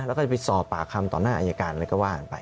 แล้วก็จะไปสอบปากคำต่อหน้าอายการอะไรก็ว่ากันไป